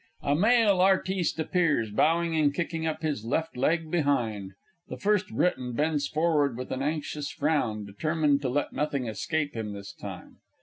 [A Male Artiste appears, bowing and kicking up his left leg behind: the FIRST BRITON _bends forward with an anxious frown, determined to let nothing escape him this time.